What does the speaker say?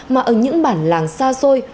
mà ở những bản làng xa xôi